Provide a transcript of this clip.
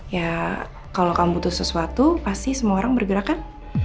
ya kalau kamu butuh sesuatu pasti semua orang bergerakan